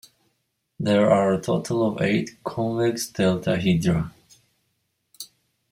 There are a total of eight convex deltahedra.